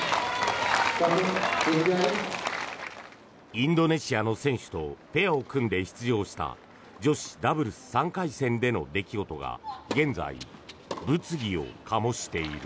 インドネシアの選手とペアを組んで出場した女子ダブルス３回戦での出来事が現在、物議を醸している。